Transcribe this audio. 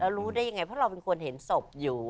รู้ได้ยังไงเพราะเราเป็นคนเห็นศพอยู่